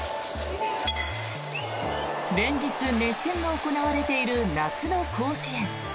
連日、熱戦が行われている夏の甲子園。